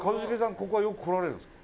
ここは、よく来られるんですか？